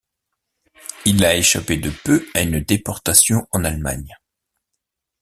Il a échappé de peu à une déportation en Allemagne.